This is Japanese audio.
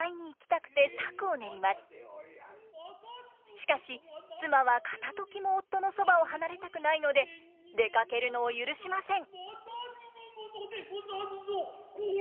しかし妻は片ときも夫のそばを離れたくないので出かけるのを許しません。